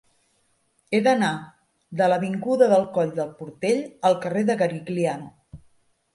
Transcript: He d'anar de l'avinguda del Coll del Portell al carrer de Garigliano.